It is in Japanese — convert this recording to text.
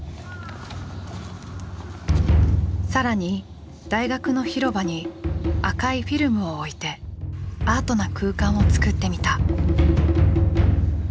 更に大学の広場に赤いフィルムを置いてアートな空間をつくってみた。